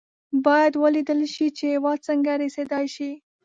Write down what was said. باید ولېدل شي چې هېواد څنګه رسېدای شي.